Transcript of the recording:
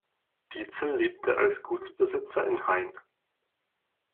Dietzel lebte als Gutsbesitzer in Hain.